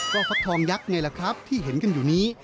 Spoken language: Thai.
ก็ฟักทองยักษ์นี่แหละครับที่เห็นกันอยู่นี้